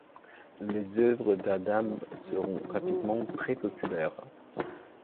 Les œuvres d'Adam seront rapidement très populaires.